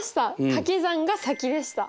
掛け算が先でした！